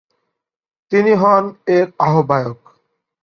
তিনি হন এর আহ্বায়ক।